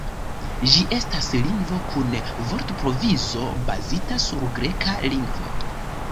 Ĝi estas lingvo kun vortprovizo bazita sur greka lingvo.